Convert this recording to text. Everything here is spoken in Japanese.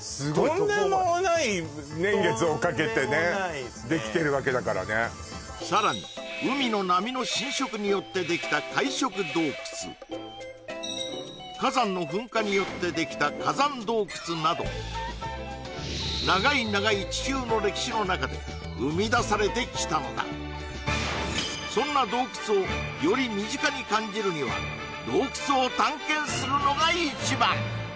とんでもない年月をかけてねできてるわけだからねさらに海の波の浸食によってできた海食洞窟火山の噴火によってできた火山洞窟など長い長い地球の歴史の中で生み出されてきたのだそんな洞窟をより身近に感じるには洞窟を探検するのが一番！